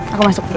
aku masuk dulu